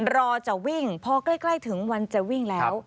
รอจะวิ่งพอใกล้ถึงวันจะวิ่งแล้ว